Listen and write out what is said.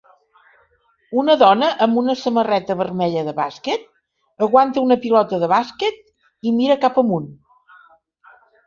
Una dona amb una samarreta vermella de bàsquet aguanta una pilota de bàsquet i mira cap amunt.